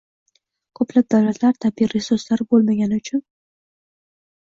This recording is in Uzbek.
Ko‘plab davlatlar tabiiy resurslari bo‘lmagani uchun